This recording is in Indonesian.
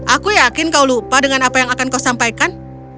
aku yakin kau lupa dengan apa yang akan kau sampaikan